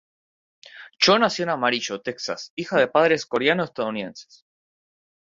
Cho nació en Amarillo, Texas, hija de padres coreano-estadounidenses.